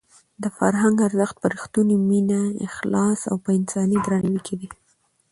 د فرهنګ ارزښت په رښتونې مینه، اخلاص او په انساني درناوي کې دی.